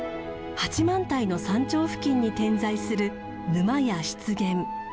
八幡平の山頂付近に点在する沼や湿原。